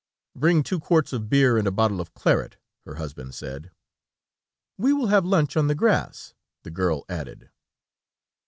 "Bring two quarts of beer and a bottle of claret," her husband said. "We will have lunch on the grass," the girl added.